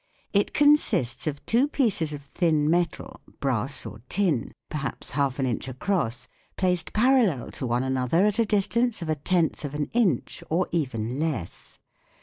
It consists of two pieces of thin metal, brass or tin, perhaps half an inch across, placed parallel to one another at a distance of a tenth of an inch or even less.